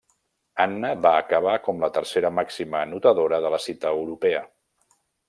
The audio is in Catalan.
Anna va acabar com la tercera màxima anotadora de la cita europea.